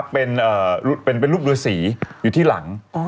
เป็นรูปเรือสีอยู่ที่หลัง